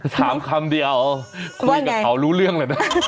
คำเดียวคุยกับเขารู้เรื่องเลยนะ